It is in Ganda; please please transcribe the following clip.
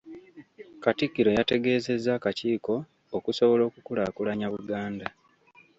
Katikkiro yategeezezza akakiiko okusobola okukulaakulanya Buganda.